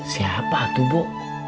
siapa tuh bu